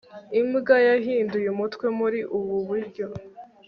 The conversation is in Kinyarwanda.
Imbwa yahinduye umutwe muri ubu buryo